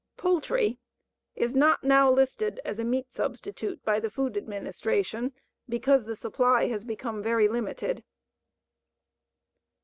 Poultry is not now listed as a meat substitute by the Food Administration because the supply has become very limited.